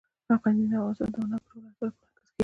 غزني د افغانستان د هنر په ټولو اثارو کې منعکس کېږي.